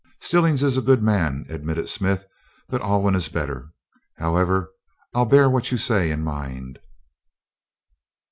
"Stillings is a good man," admitted Smith; "but Alwyn is better. However, I'll bear what you say in mind."